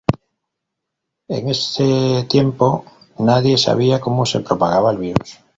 En ese tiempo nadie sabía cómo se propagaba el virus.